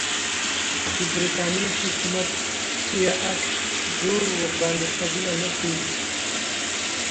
د برټانیې حکومت هیات په زور ورباندې قبول نه کړي.